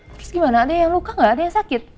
terus gimana ada yang luka gak ada yang sakit